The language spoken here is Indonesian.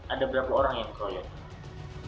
ada berapa orang yang keroyok